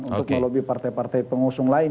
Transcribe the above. untuk melobi partai partai pengusung lain